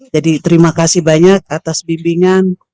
jadi terima kasih banyak atas bimbingan